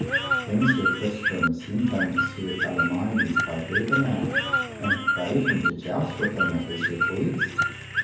Then Sir Tristram sent unto Sir Palomides by Gouvernail, and prayed him to joust with him at his request.